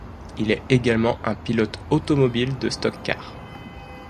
Il est également un pilote automobile de stock-car.